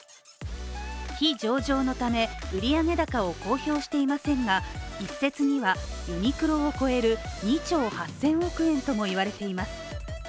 非上場のため、売上高を公表していませんが、一説にはユニクロを超える２兆８０００億円とも言われています。